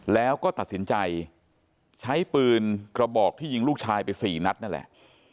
แล้วก็ตัดสินใจใช้ปืนกระบอกที่ยิงลูกชายไป๔นัดนั่นแหละ